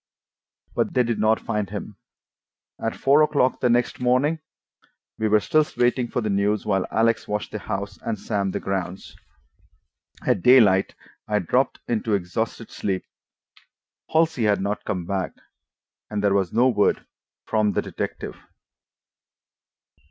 But they did not find him. At four o'clock the next morning we were still waiting for news, while Alex watched the house and Sam the grounds. At daylight I dropped into exhausted sleep. Halsey had not come back, and there was no word from the detective.